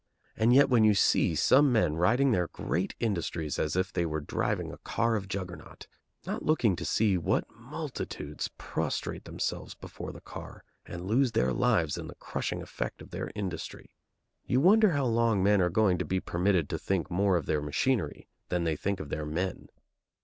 And yet when you see some men riding their great industries as if they were driving a car of juggernaut, not looking to see what multitudes prostrate themselves before the car and lose their lives in the crushing effect of their industry, you wonder how long men are going to be permitted to think more of their machinery than they think of their men.